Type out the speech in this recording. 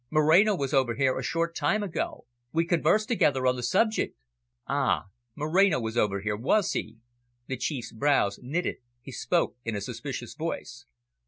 Moreno was over here a short time ago. We conversed together on the subject." "Ah, Moreno was over here, was he?" The Chief's brows knitted; he spoke in a suspicious voice.